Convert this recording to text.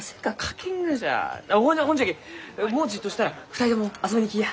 ほんじゃきもうちっとしたら２人とも遊びに来いや！